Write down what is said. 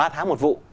ba tháng một vụ